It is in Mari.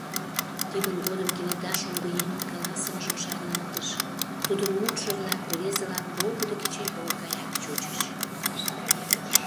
Тидын годым кенета шоҥгыеҥын каласымыжым шарналтыш, тудын мутшо-влак рвезылан волгыдо кечыйол гаяк чучыч.